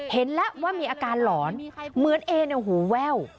เห็นแล้วว่ามีอาการหลอนเหมือนเอเนี่ยหูแว่ว